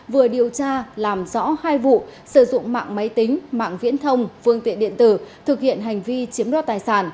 vừa điều tra làm rõ hai vụ sử dụng mạng máy tính mạng viễn thông phương tiện điện tử thực hiện hành vi chiếm đoạt tài sản